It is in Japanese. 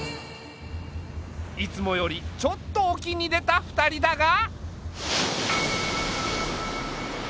いつもよりちょっと沖に出た２人だが。